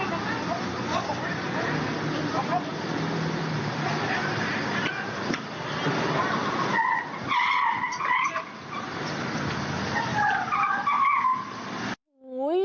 เอาออกรถออกเลย